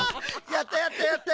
やったやったやった。